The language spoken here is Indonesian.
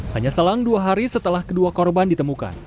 hanya selang dua hari setelah kedua korban ditemukan